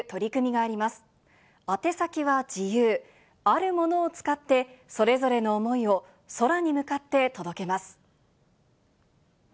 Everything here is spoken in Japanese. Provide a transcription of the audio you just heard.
あるものを使って、それぞれの思いを空に向かって届けます。